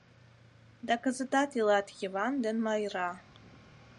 Да кызытат илат Йыван ден Майра.